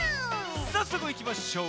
さっそくいきましょう。